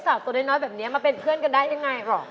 ตัวน้อยแบบนี้มาเป็นเพื่อนกันได้ยังไงหรอ